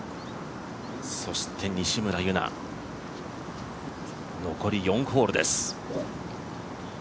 そして西村優菜、残り４ホールです。